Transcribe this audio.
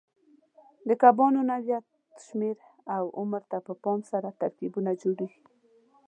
د کبانو نوعیت، شمېر او عمر ته په پام سره ترکیبونه جوړېږي.